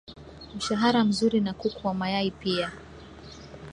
mshahara mzuri Na kuku wa mayai pia